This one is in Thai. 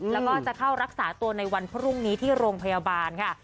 แล้วก็จะเข้ารักษาตัวในวันพรุ่งนี้ที่โรงพยาบาลค่ะ